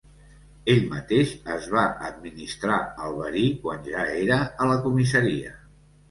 Ell mateix es va administrar el verí quan ja era a la comissaria.